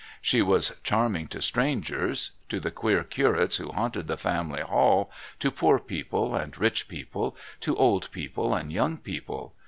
She was charming to strangers, to the queer curates who haunted the family hall, to poor people and rich people, to old people and young people.